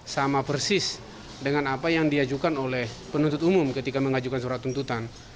sama persis dengan apa yang diajukan oleh penuntut umum ketika mengajukan surat tuntutan